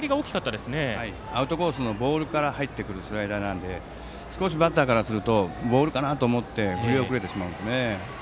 アウトコースのボールから入ってくるスライダーなので少しバッターからするとボールかなと思って振り遅れてしまうんですね。